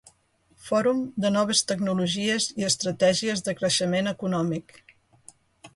Fòrum de noves tecnologies i estratègies de creixement econòmic.